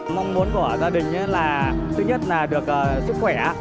mong muốn của gia đình là thứ nhất là được sức khỏe